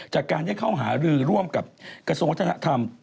จากการได้เข้าหารือร่วมกับกระทรวงวัฒนธรรม